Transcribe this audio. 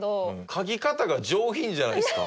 嗅ぎ方が上品じゃないですか。